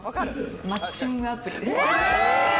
マッチングアプリです。